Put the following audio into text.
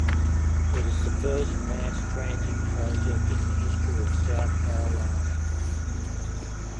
It is the first mass transit project in the history of South Carolina.